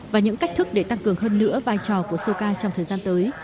và những cách thức để tăng cường hơn nữa vai trò của soca trong thời gian tới